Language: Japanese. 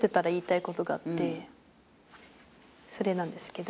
それなんですけど。